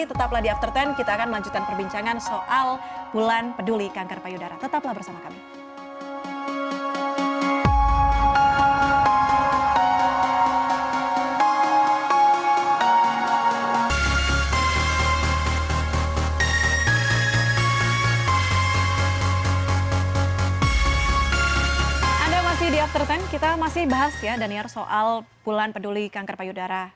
tetaplah di after sepuluh kita akan melanjutkan perbincangan soal bulan peduli kanker payudara